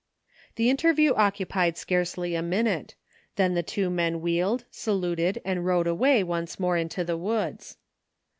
The interview occupied scarcely a minute ; then the two men wheeled, saluted, and rode away once more into the woods.